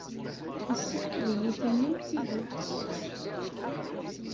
Yessefk ad iyi-d-tinim tidet.